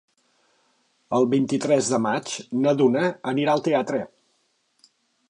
El vint-i-tres de maig na Duna anirà al teatre.